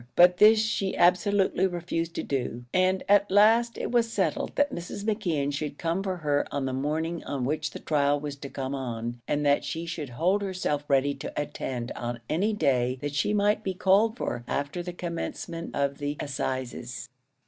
But this she absolutely refused to do and at last it was settled that Mrs. McKeon should come for her on the morning on which the trial was to come on, and that she should hold herself ready to attend on any day that she might be called for after the commencement of the assizes.